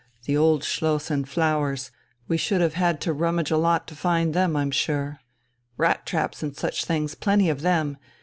The Old Schloss and flowers! We should have had to rummage a lot to find them, I'm sure. Rat traps and such things, plenty of them.